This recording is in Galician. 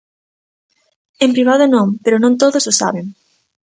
En privado non, pero non todos o saben.